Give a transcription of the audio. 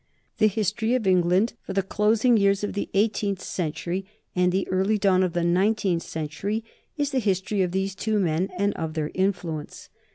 The history of England for the closing years of the eighteenth century and the early dawn of the nineteenth century is the history of these two men and of their influence.